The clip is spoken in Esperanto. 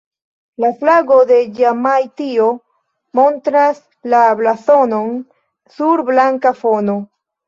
La flago de Ĵemajtio montras la blazonon sur blanka fono.